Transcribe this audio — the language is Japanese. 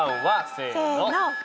せの。